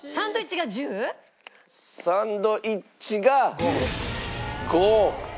サンドウィッチが５。